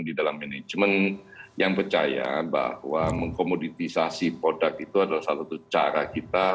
di dalam manajemen yang percaya bahwa mengkomoditisasi produk itu adalah salah satu cara kita